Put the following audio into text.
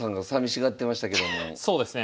そうですね